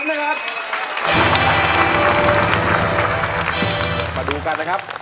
มาดูกันนะครับ